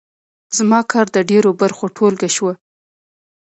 زما کار د ډېرو برخو ټولګه شوه.